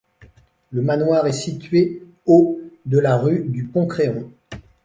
Le manoir est située au de la rue du Pont-Créon.